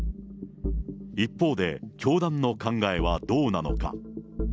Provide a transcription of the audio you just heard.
一方で、教団の考えはどうなのか。